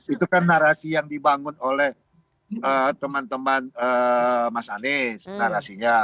itu kan narasi yang dibangun oleh teman teman mas anies narasinya